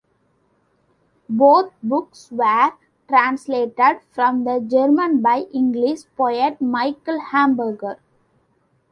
Both books were translated from the German by English poet Michael Hamburger.